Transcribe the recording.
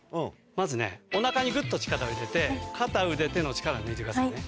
まずねおなかにグッと力を入れて片腕手の力抜いてくださいね。